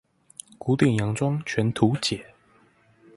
古典洋裝全圖解